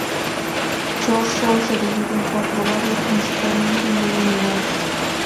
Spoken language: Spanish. Chorzów se divide a cuatro barrios principales y nueve menores.